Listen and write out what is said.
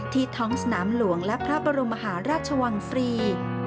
ท้องสนามหลวงและพระบรมมหาราชวังฟรี